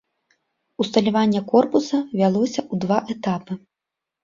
Усталяванне корпуса вялося ў два этапы.